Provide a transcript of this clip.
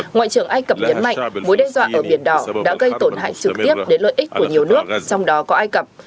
ngoại trưởng ai cập nhấn mạnh mối đe dọa ở biển đỏ đã gây tổn hại trực tiếp đến lợi ích của nhiều nước trong đó có ai cập